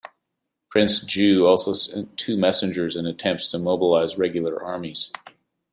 Prince Ju also sent two messengers in attempts to mobilize regular armies.